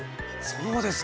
そうですか！